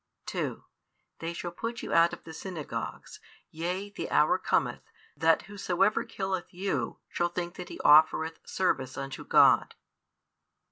2 They shall put you out of the synagogues: yea, the hour cometh, that whosoever killeth you shall think that he offereth service unto God.